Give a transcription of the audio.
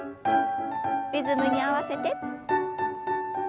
リズムに合わせて。